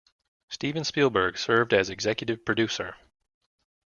Steven Spielberg served as executive producer.